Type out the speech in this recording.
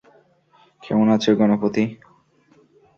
কেমন আছো গণপতি?